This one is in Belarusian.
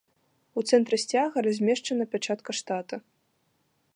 У цэнтры сцяга размешчана пячатка штата.